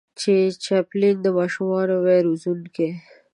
چې چاپلين د ماشومانو وای روزونکی